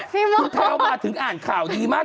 พี่มักคุณแพลวเมื่อถึงอ่านข่าวดีมาก